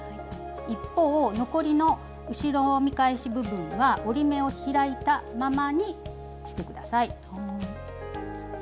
一方残りの後ろ見返し部分は折り目を開いたままにしてください。